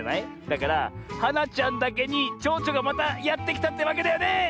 だからはなちゃんだけにちょうちょがまたやってきたってわけだよね！